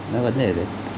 nói vấn đề ở đây